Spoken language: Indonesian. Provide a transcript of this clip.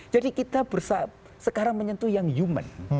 jadi kita sekarang menyentuh yang human